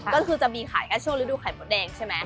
ก็คือจะมีขายแค่ช่วงฤดูไข่มดแดงใช่ไหม